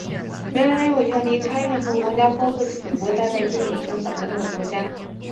人人有权离开任何国家,包括其本国在内,并有权返回他的国家。